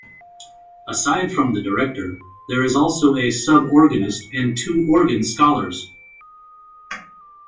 Aside from the director, there is also a sub-organist and two organ scholars.